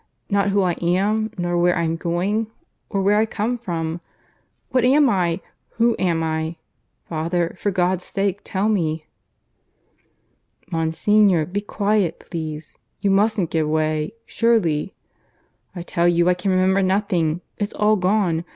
Not who I am, nor where I'm going, or where I come from. ... What am I? Who am I? Father, for God's sake tell me." "Monsignor, be quiet, please. You mustn't give way. Surely " "I tell you I can remember nothing. ... It's all gone.